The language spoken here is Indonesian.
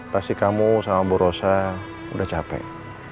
pasti kamu sama bu rosa udah capek